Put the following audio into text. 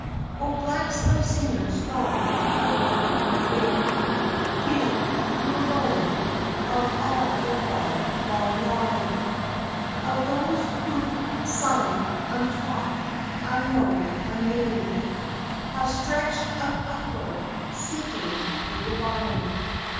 O black slave singers, gone, forgot, unfamed, You you alone, of all the long, long line Of those who've sung untaught, unknown, unnamed, Have stretched out upward, seeking the divine.